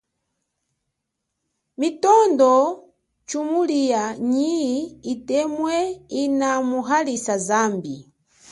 Mitondo, tshumulia, nyi itemwe ina muhalisa zambi.